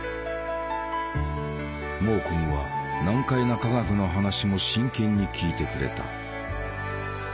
モーコムは難解な科学の話も真剣に聞いてくれた。